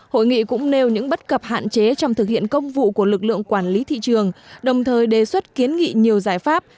hội nghị cũng nêu những bất cập hạn chế trong thực hiện công vụ của lực lượng quản lý thị trường đồng thời đề xuất kiến nghị nhiều giải pháp